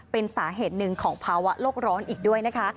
เป็นสาเหตุหนึ่งของภาวะโลกร้อนอีกด้วยนะคะ